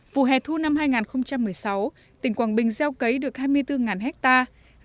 vụ hè thu năm hai nghìn một mươi sáu tỉnh quảng bình gieo cấy được hai mươi bốn hectare